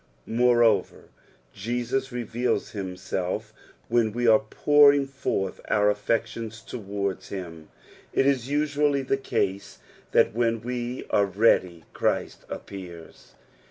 Moreover, Jesus revesla him aelf when we are pouring forth our affections towards him. It is usually the case that when we are ready Christ appears.